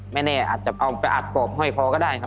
แน่อาจจะเอาไปอัดกรอบห้อยคอก็ได้ครับ